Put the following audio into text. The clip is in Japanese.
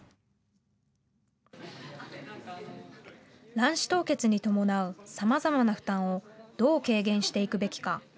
卵子凍結に伴うさまざまな負担をどう軽減していくべきか。